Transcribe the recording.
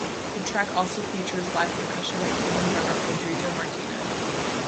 The track also features live percussion by Cuban drummer Pedrito Martinez.